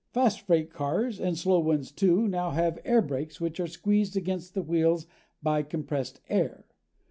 Fast freight cars, and slow ones, too, now have air brakes which are squeezed against the wheels by compressed air.